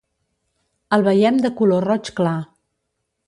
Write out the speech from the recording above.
El veiem de color roig clar.